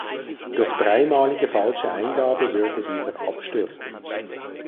Durch dreimalige falsche Eingabe würde dieser abstürzen.